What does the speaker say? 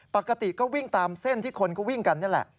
ปกติก็วิ่งตามเส้นที่คนก็วิ่งกันนี่แหละ